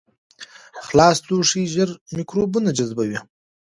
خلاص لوښي ژر میکروبونه جذبوي.